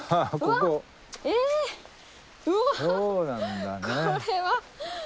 これは。